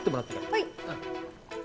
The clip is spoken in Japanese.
はい。